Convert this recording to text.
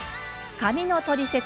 髪のトリセツ